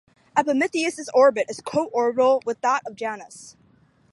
Epimetheus's orbit is co-orbital with that of Janus.